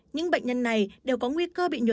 những bệnh nhân này đều có nguy cơ bị nhồi